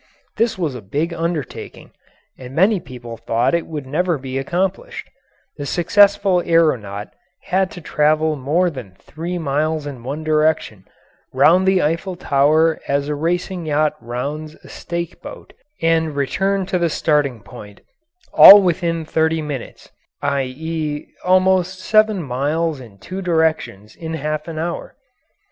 This was a big undertaking, and many people thought it would never be accomplished; the successful aeronaut had to travel more than three miles in one direction, round the Eiffel Tower as a racing yacht rounds a stake boat, and return to the starting point, all within thirty minutes i.e., almost seven miles in two directions in half an hour.